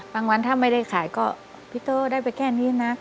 วันถ้าไม่ได้ขายก็พี่โต้ได้ไปแค่นี้นะ